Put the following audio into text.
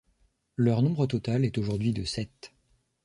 Leur nombre total est aujourd'hui de sept.